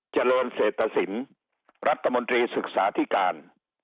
เจริญเศรษฐศิลป์รัฐมนตรีศึกษาธิการ